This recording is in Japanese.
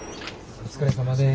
お疲れさまです。